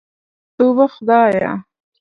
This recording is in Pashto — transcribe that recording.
توبه خدايه.